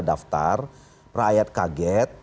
daftar rakyat kaget